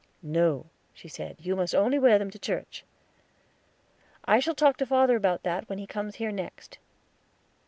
"No," she said, "you must only wear them to church." "I shall talk to father about that, when he comes here next."